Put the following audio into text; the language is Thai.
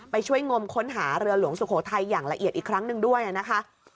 ไปช่วยงมค้นหาเรือหลวงสุโขทัยอย่างละเอียดอีกครั้งหนึ่งด้วยนะคะ